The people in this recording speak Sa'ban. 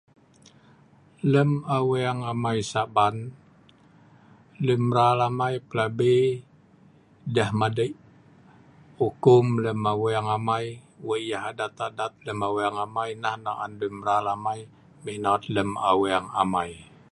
Lem aweng amai saban, luen mraal amai plabi deeh madei ukum lem aweng amai, wei yeh adat-adat lem aweng amai, nah nok an luen mraal amai menot lem aweng amai